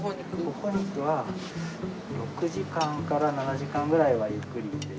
ほほ肉は６時間から７時間ぐらいはゆっくり。